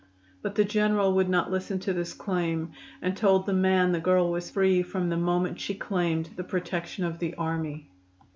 But the General would not listen to this claim, and told the man the girl was free from the moment she claimed the protection of the army.